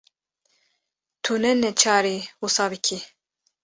Tu ne neçarî wisa bikî.